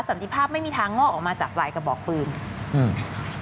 สันติภาพไม่มีทางงอกออกมาจากลายกระบอกปืนอืม